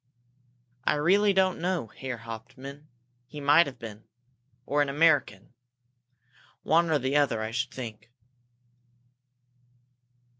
"I really don't know, Herr Hauptmann. He might have been. Or an American. One or the other, I should think."